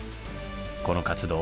この活動